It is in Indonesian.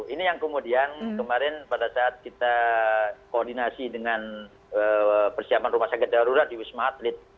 ini yang kemudian kemarin pada saat kita koordinasi dengan persiapan rumah sakit darurat di wisma atlet